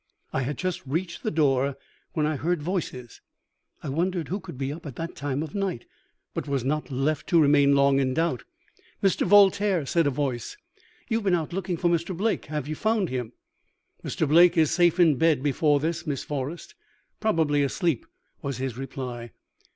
I had just reached the door when I heard voices. I wondered who could be up at that time of the night, but was not left to remain long in doubt." "'Mr. Voltaire,' said a voice, 'you have been out looking for Mr. Blake; have you found him?'" "'Mr. Blake is safe in bed before this, Miss Forrest probably asleep,' was his reply."